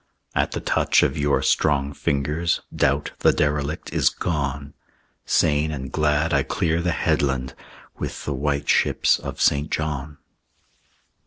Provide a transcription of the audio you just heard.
At the touch of your strong fingers, Doubt, the derelict, is gone; Sane and glad I clear the headland With the white ships of St. John.